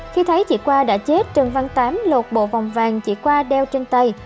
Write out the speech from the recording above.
khi thấy chị qua đã chết trần văn tám lột bộ vòng vàng chỉ qua đeo trên tay